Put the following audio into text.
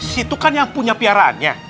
situ kan yang punya piaraannya